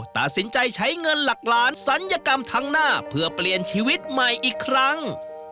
ตัดสินใจใช้เงินหลักล้านศัลยกรรมทั้งหน้าเพื่อเปลี่ยนชีวิตใหม่อีกครั้ง